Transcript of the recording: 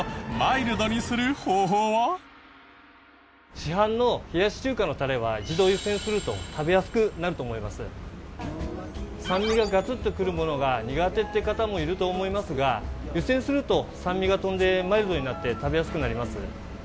市販の冷やし中華のタレは酸味がガツッとくるものが苦手っていう方もいると思いますが湯煎すると酸味が飛んでマイルドになって食べやすくなります。